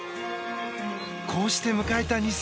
こうして迎えた